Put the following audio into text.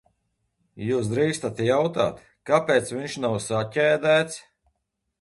Ja drīkstu jautāt, kāpēc viņš nav saķēdēts?